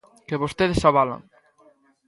Que vostedes avalan.